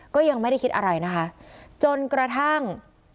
ก็ยังไม่ได้คิดอะไรนะคะจนกระทั่ง